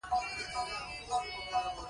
هغه نظم تر اوسه په یاد دي.